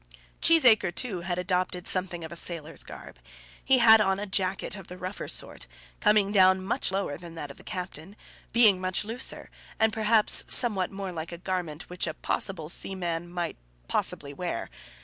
Cheesacre, too, had adopted something of a sailor's garb. He had on a jacket of a rougher sort, coming down much lower than that of the captain, being much looser, and perhaps somewhat more like a garment which a possible seaman might possibly wear.